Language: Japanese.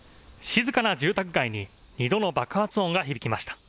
静かな住宅街に２度の爆発音が響きました。